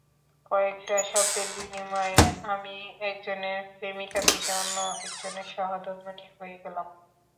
কয়েকটা শব্দের বিনিময়ে আমি একজনের প্রেমিকা থেকে অন্য একজনের সহধর্মিণী হয়ে গেলাম।